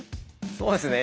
そうですね